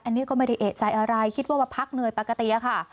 อันนี้ก็ไม่ได้เอกใจอะไรคิดว่ามาพักเหนื่อยปกติอะค่ะ